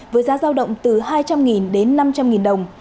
với giá giao động từ hai trăm linh đến năm trăm linh đồng